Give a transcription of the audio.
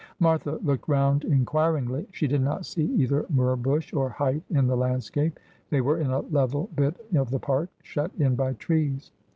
' Martha looked round inquiringly. She did not see either myrrh bush or height in the landscape. They were in a level bit of the park, shut in by trees.